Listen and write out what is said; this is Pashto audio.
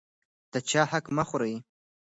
د چا حق مه خورئ.